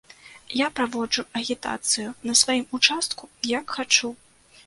Я праводжу агітацыю на сваім участку як хачу.